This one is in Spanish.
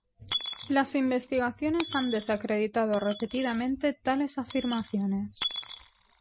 Las investigaciones han desacreditado repetidamente tales afirmaciones.